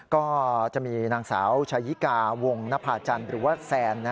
ก็จะมีนางสาวชายิกาวงนภาจันทร์หรือว่าแซน